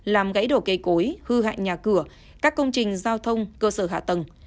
làm gãy đổ cây cối hư hại nhà cửa các công trình giao thông cơ sở hạ tầng